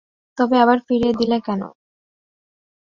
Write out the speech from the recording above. তবে আবার ফিরিয়ে দিলে কেন?